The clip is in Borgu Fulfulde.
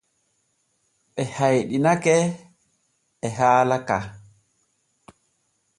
Ɓe hayɗinake e haala ka.